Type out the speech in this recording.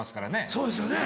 そうですよね